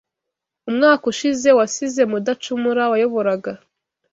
Umwaka ushize wasize Mudacumura wayoboraga